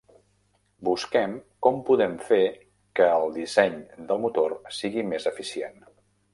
Busquem com podem fer que el disseny del motor sigui més eficient.